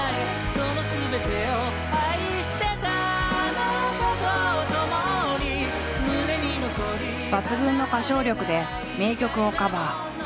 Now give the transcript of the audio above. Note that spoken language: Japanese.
「そのすべてを愛してたあなたとともに」抜群の歌唱力で名曲をカバー。